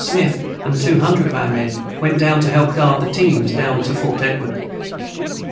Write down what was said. Smith & 200 of our men went down to help guard the teames down to Fort Edward.